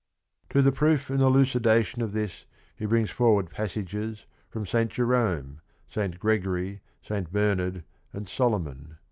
To the proof and elucidation of this he brings forward passages from St. Jerome, St. Gregory, St. Bernard, and Solomon.